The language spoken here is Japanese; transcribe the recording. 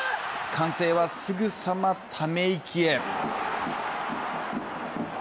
歓声はすぐさまため息へ。